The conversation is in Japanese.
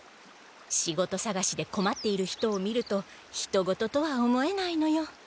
仕事さがしでこまっている人を見るとひと事とは思えないのよ。